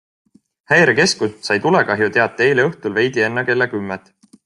Häirekeskus sai tulekahjuteate eile õhtul veidi enne kella kümmet.